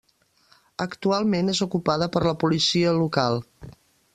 Actualment és ocupada per la policia local.